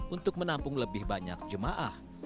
untuk menampung lebih banyak jemaah